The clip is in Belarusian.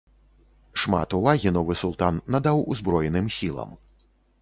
Шмат увагі новы султан надаў узброеным сілам.